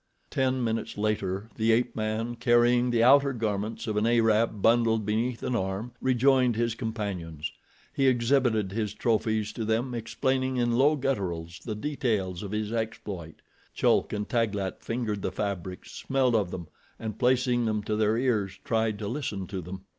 Ten minutes later the ape man, carrying the outer garments of an Arab bundled beneath an arm, rejoined his companions. He exhibited his trophies to them, explaining in low gutturals the details of his exploit. Chulk and Taglat fingered the fabrics, smelled of them, and, placing them to their ears, tried to listen to them.